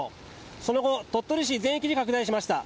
その後鳥取市全域に拡大しました。